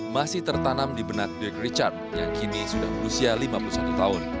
masih tertanam di benak deck richard yang kini sudah berusia lima puluh satu tahun